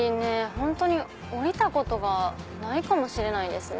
本当に降りたことがないかもしれないですね。